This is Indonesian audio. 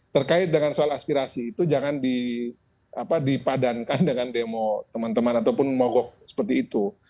terkait dengan soal aspirasi itu jangan dipadankan dengan demo teman teman ataupun mogok seperti itu